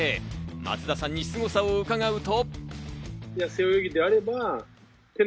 松田さんにすごさを伺うと。